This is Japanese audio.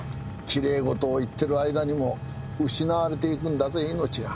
キレイ事を言ってる間にも失われていくんだぜ命が。